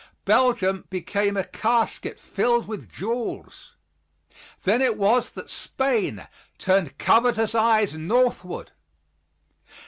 Belgium became a casket filled with jewels. Then it was that Spain turned covetous eyes northward.